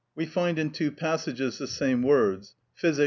We find in two passages the same words: Physic.